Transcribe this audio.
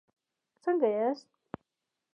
څنګه یاست؟